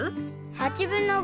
８分の５。